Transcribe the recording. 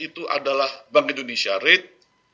itu adalah bank indonesia rate